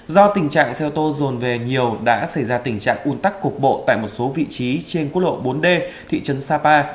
do tình trạng xe ô tô rồn về nhiều đã xảy ra tình trạng un tắc cục bộ tại một số vị trí trên quốc lộ bốn d thị trấn sapa